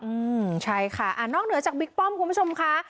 อืมใช่ค่ะอ่านอกเหนือจากบิ๊กป้อมคุณผู้ชมค่ะ